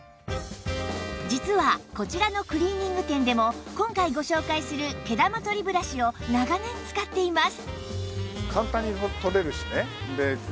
実はこちらのクリーニング店でも今回ご紹介する毛玉取りブラシを長年使っています